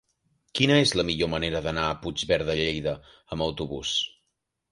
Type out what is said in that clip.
Quina és la millor manera d'anar a Puigverd de Lleida amb autobús?